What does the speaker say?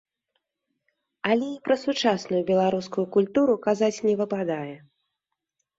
Але і пра сучасную беларускую культуру казаць не выпадае.